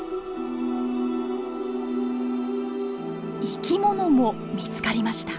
生き物も見つかりました。